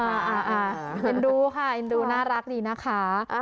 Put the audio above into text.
เอ็นดูค่ะเอ็นดูน่ารักดีนะคะ